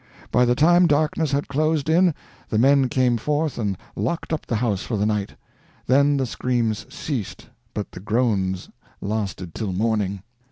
By the time darkness had closed in, the men came forth and locked up the house for the night. Then the screams ceased, but the groans lasted till morning.